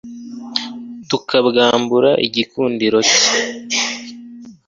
tukambwambura igikundiro cye